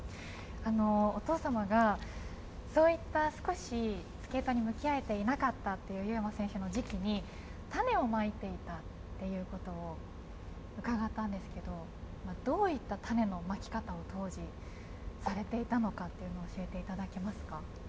お父さまが、そういった少しスケートに向き合いていなかったという優真選手の時期に種をまいていたということを伺ったんですがどういった種のまき方を当時されていたのかというのを教えていただけますか？